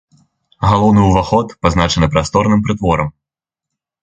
Галоўны уваход пазначаны прасторным прытворам.